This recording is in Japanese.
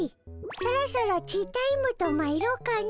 そろそろティータイムとまいろうかの。